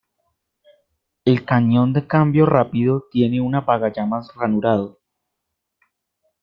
El cañón de cambio rápido tiene un apagallamas ranurado.